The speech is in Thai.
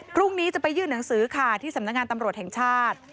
พรุ่งนี้จะไปยื่นหนังสือค่ะที่สำนักงานตำรวจแห่งชาติ